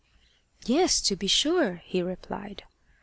"Yes, to be sure," he replied.